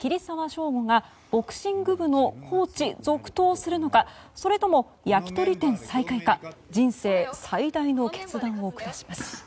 祥吾がボクシング部のコーチ続投するのかそれとも焼き鳥店再開か人生最大の決断を下します。